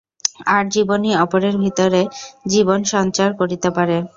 আর জীবনই অপরের ভিতর জীবন সঞ্চার করিতে পারে।